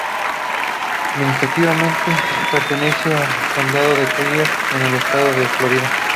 Administrativamente, pertenece al condado de Collier, en el estado de Florida.